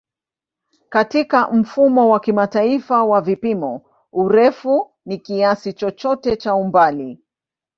Katika Mfumo wa Kimataifa wa Vipimo, urefu ni kiasi chochote cha umbali.